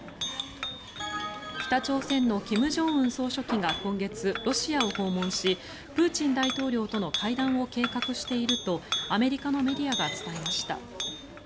北朝鮮の金正恩総書記が今月ロシアを訪問しプーチン大統領との会談を計画しているとアメリカのメディアが伝えました。